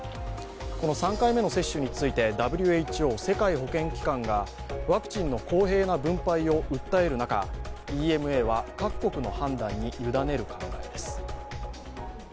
３回目の接種についてＷＨＯ＝世界保健機関がワクチンの公平な分配を訴える中ＥＭＡは各国の判断に委ねる考えです。